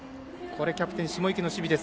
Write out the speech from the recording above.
キャプテン、下池の守備です。